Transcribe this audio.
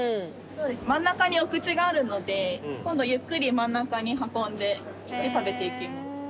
真ん中にお口があるので今度ゆっくり真ん中に運んで食べていきます。